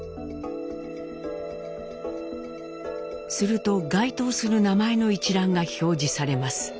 すると該当する名前の一覧が表示されます。